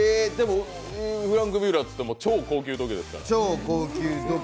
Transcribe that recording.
フランクミュラーっていったら超高級時計ですから。